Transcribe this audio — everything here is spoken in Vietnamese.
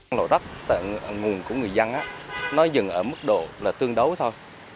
nó rắc tại nguồn của người dân nó dừng ở mức độ tương đấu thôi